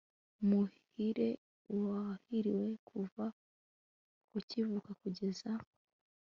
muhire wahiriwe kuva ukivuka, kugeza